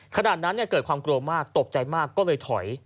ขณะนั้นเกิดความกลัวมากตกใจมากก็เลยถอย